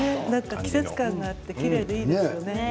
季節感があってきれいでいいですよね。